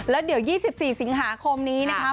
แล้วเดี๋ยว๒๔สิงหาคมนี้นะคะ